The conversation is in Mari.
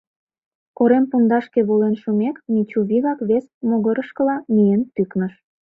Корем пундашке волен шумек, Мичу вигак вес могырышкыла миен тӱкныш.